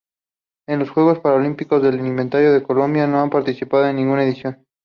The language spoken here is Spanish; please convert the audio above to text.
En los Juegos Paralímpicos de Invierno Colombia no ha participado en ninguna edición.